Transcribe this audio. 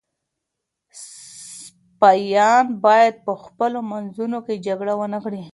سپایان باید په خپلو منځونو کي جګړه ونه کړي.